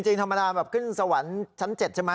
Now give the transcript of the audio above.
จริงธรรมดาแบบขึ้นสวรรค์ชั้น๗ใช่ไหม